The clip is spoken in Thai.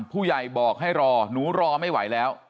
ผู้ใหญ่บอกให้รอหนูรอไม่ไหวแล้ว